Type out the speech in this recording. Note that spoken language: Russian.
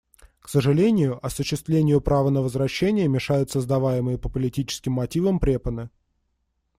К сожалению, осуществлению права на возвращение мешают создаваемые по политическим мотивам препоны.